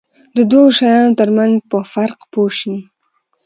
د دوو شیانو ترمنځ په فرق پوه شي.